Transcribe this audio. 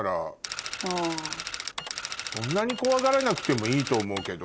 そんなに怖がらなくてもいいと思うけど。